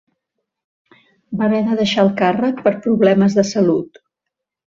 Va haver de deixar el càrrec per problemes de salut.